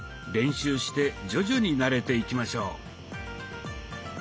練習して徐々に慣れていきましょう。